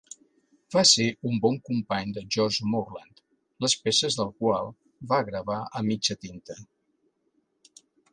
Va ser un bon company de George Morland, les peces del qual va gravar a mitja tinta.